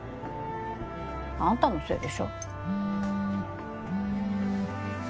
あんたのせいでしょ。